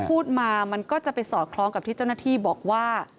พูดมามันก็จะไปสอดคล้องกับที่เจ้าหน้าที่บอกว่า